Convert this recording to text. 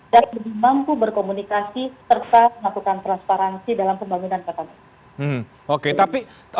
dan lebih mampu berkomunikasi serta melakukan transparansi dalam pembangunan kota medan